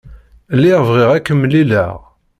Lliɣ bɣiɣ ad k-mlileɣ.